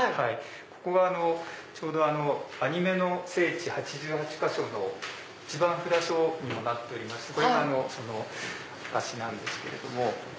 ここがちょうどアニメの聖地８８か所の１番札所にもなっておりましてこれがその証しなんですけれど。